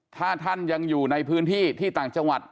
ถ้าท่านยังอยู่ในพื้นที่ที่ต่างจังหวัด